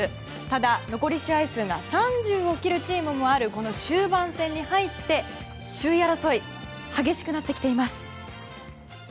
ただ、残り試合数が３０を切るチームもある終盤戦に入って、首位争い激しくなってきています。